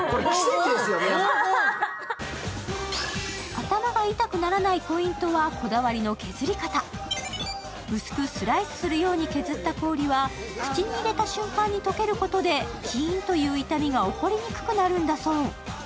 頭が痛くならないポイントはこだわりの削り方。薄くスライスするように削った氷は、口に入れた瞬間に溶けることで、キーンという痛みが起こりにくくなるんだそう。